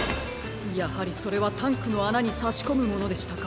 やはりそれはタンクのあなにさしこむものでしたか。